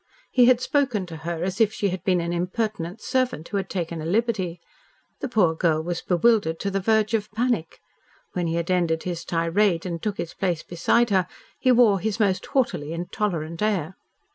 He had spoken to her as if she had been an impertinent servant who had taken a liberty. The poor girl was bewildered to the verge of panic. When he had ended his tirade and took his place beside her he wore his most haughtily intolerant air.